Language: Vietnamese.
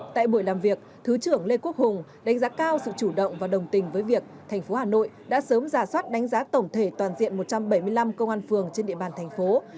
tại buổi làm việc thứ trưởng lê quốc hùng đánh giá cao sự chủ động và đồng tình với việc thành phố hà nội đã sớm ra soát đánh giá tổng thể toàn diện một trăm bảy mươi năm công an phường trên địa bàn thành phố